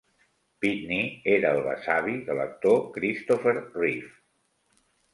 Pitney era el besavi de l'actor Christopher Reeve.